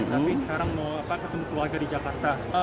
tapi sekarang mau ketemu keluarga di jakarta